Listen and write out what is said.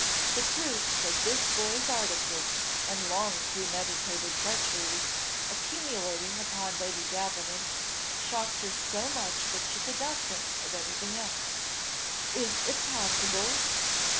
The proofs of this boy's artifice and long premeditated treachery, accumulating upon Lady Davenant, shocked her so much that she could not think of anything else. "Is it possible?